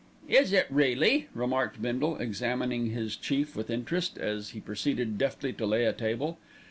"Is it really?" remarked Bindle, examining his chief with interest, as he proceeded deftly to lay a table.